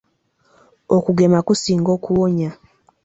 Okugema kusinga okuwonya.